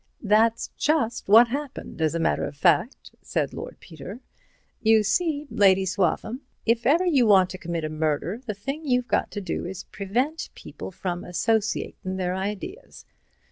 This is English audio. '" "That's just what happened, as a matter of fact," said Lord Peter. "You see, Lady Swaffham, if ever you want to commit a murder, the thing you've got to do is to prevent people from associatin' their ideas.